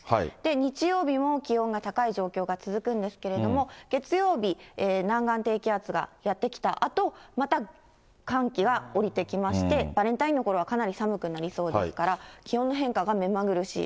日曜日も気温が高い状況が続くんですけれども、月曜日、南岸低気圧がやって来たあと、また寒気が降りてきまして、バレンタインのころはかなり寒くなりそうですから、気温の変化が目まぐるしいです。